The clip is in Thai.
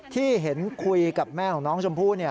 ที่เห็นคุยกับแม่ของน้องชมพู่